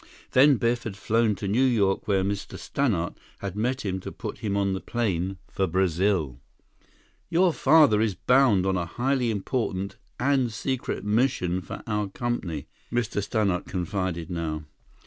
Then Biff had flown to New York where Mr. Stannart had met him to put him on the plane for Brazil. "Your father is bound on a highly important and secret mission for our company," Mr. Stannart confided now.